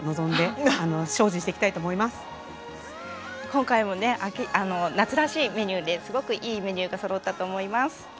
今回もね夏らしいメニューですごくいいメニューがそろったと思います。